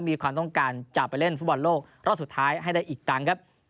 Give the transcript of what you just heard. มีความต้องการจะไปเล่นฟุตบอลโลกรอบสุดท้ายให้ได้อีกครั้งครับ